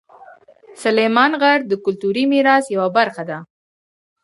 سلیمان غر د کلتوري میراث یوه برخه ده.